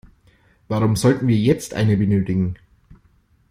Warum sollten wir jetzt eine benötigen?